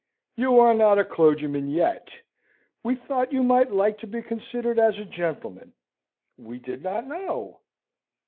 "You are not a clergyman yet. We thought you might like to be considered as a gentleman. We did not know."